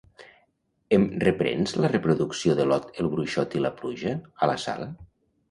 Em reprens la reproducció de l'"Ot el Bruixot i la pluja" a la sala?